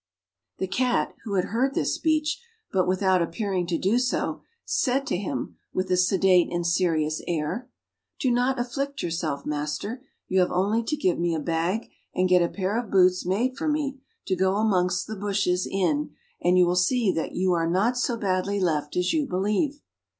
The Cat, who had heard this speech, but without appearing to do so, said to him, with a sedate and serious air, "Do not afflict yourself, master; you have only to give me a bag and get a pair of boots made for me, to go amongst the bushes in, and you will see that you are not so badly left as you believe."